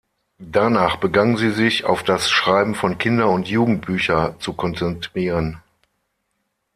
Danach begann sie sich auf das Schreiben von Kinder- und Jugendbücher zu konzentrieren.